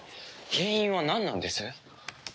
原因はなんなんです？